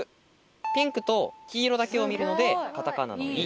ピンクと黄色だけを見るのでカタカナの「イ」。